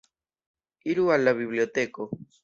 Iru al la biblioteko.